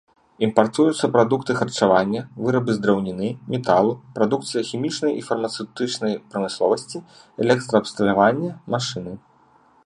Імпартуюцца прадукты харчавання, вырабы з драўніны, металу, прадукцыя хімічнай і фармацэўтычнай прамысловасці, электраабсталяванне, машыны.